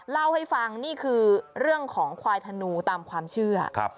เล่าให้ฟังนี่คือเรื่องของควายธนูตามความเชื่อ